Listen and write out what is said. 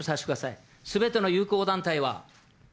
すべての友好団体は。